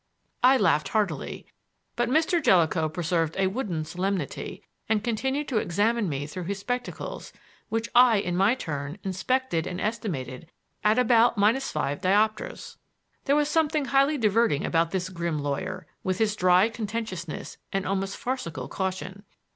I laughed heartily, but Mr. Jellicoe preserved a wooden solemnity and continued to examine me through his spectacles (which I, in my turn, inspected and estimated at about minus five dioptres). There was something highly diverting about this grim lawyer, with his dry contentiousness and almost farcical caution.